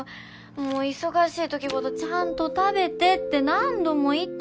もう忙しいときほどちゃんと食べてって何度も言って。